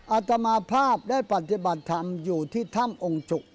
อาตมาภาพได้ปฏิบัติธรรมอยู่ที่ถ้ำองค์จุก